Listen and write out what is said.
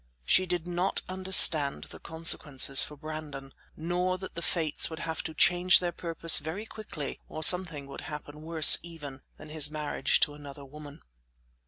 She did not understand the consequences for Brandon, nor that the Fates would have to change their purpose very quickly or something would happen worse, even, than his marriage to another woman.